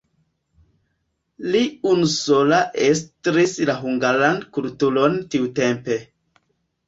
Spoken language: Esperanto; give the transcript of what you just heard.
Li unusola estris la hungaran kulturon tiutempe.